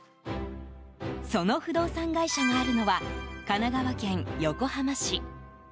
その不動産会社があるのは神奈川県横浜市。